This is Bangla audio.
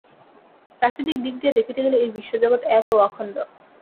প্রাকৃতিক দিক দিয়া দেখিতে গেলে এই বিশ্বজগৎ এক ও অখণ্ড।